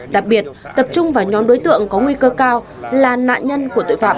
đặc biệt tập trung vào nhóm đối tượng có nguy cơ cao là nạn nhân của tội phạm